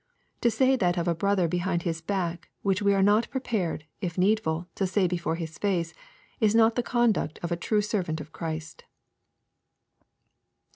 To say that of a brother behind his back which we are not pre pared, if needful, to say before his face, is not the conduct of a true servant of Christ.